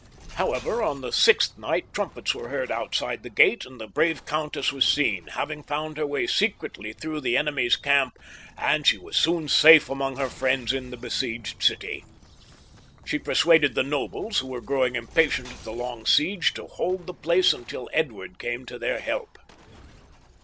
However, on the sixth night, trumpets were heard outside the gate, and the brave countesa was seen, having found her way secretly through the enemy's camp ; and she was soon safe among her friends in the besieged city. She persuaded the nobles, who were growing impatient of the long siege, to hold the place until Edward came to their help.